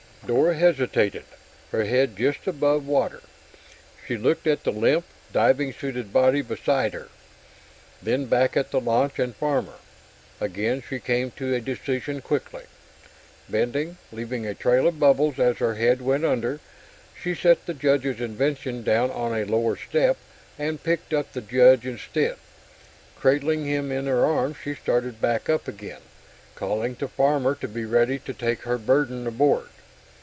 Dor hesitated, her head just above water. She looked at the limp, diving suited body beside her, then back at the launch and Farmer. Again, she came to a decision quickly. Bending, leaving a trail of bubbles as her head went under, she set the Judge's invention down on a lower step and picked up the Judge instead. Cradling him in her arms, she started back up again, calling to Farmer to be ready to take her burden aboard.